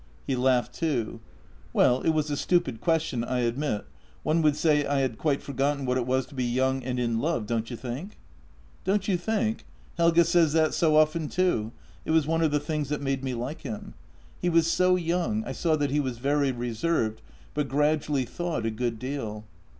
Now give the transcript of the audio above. He laughed too. " Well, it was a stupid question, I admit. One would say I had quite forgotten what it was to be young and in love, don't you think? "" Don't you think! — Helge says that so often, too. It w r as one of the things that made me like him. He was so young. I saw that he was very reserved, but gradually thawed a good deal."